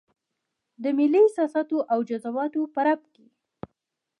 د ملي احساساتو او جذباتو په رپ کې.